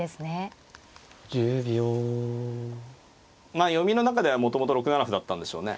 まあ読みの中ではもともと６七歩だったんでしょうね。